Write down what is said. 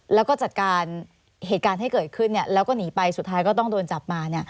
แล้วก็จัดการเหตุการณ์ให้เกิดขึ้นแล้วก็หนีไปสุดท้ายก็ต้องโดนจับมา